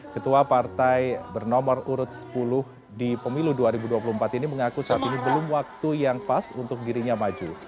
ketua partai bernomor urut sepuluh di pemilu dua ribu dua puluh empat ini mengaku saat ini belum waktu yang pas untuk dirinya maju